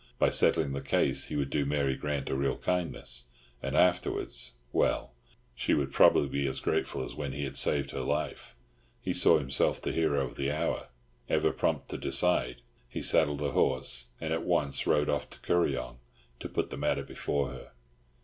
By settling the case he would do Mary Grant a real kindness. And afterwards—well, she would probably be as grateful as when he had saved her life. He saw himself the hero of the hour: ever prompt to decide, he saddled a horse, and at once rode off to Kuryong to put the matter before her.